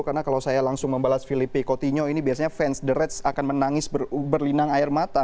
karena kalau saya langsung membalas filipe coutinho ini biasanya fans the reds akan menangis berlinang air mata